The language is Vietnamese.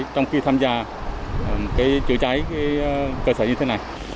trong khi tham gia chữa cháy cơ sở như thế này